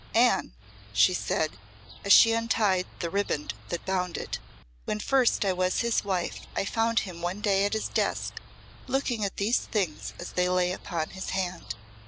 "Anne," she said, as she untied the ribband that bound it, "when first I was his wife I found him one day at his desk looking at these things as they lay upon his hand.